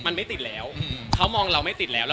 ยังพร้อมเสมอ